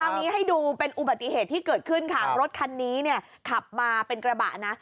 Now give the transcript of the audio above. อันนี้ให้ดูเป็นอุบัติเหตุที่เกิดขึ้นค่ะรถคันนี้เนี่ยขับมาเป็นกระบะนะ